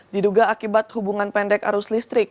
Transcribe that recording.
diduga akibat hubungan pendek arus listrik